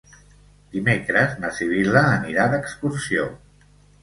Dimecres na Sibil·la anirà d'excursió.